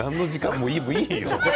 もういいよ。